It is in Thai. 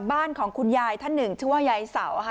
บ้านของคุณยายท่านหนึ่งชื่อว่ายายเสาค่ะ